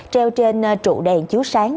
treo trên trụ đèn chiếu sáng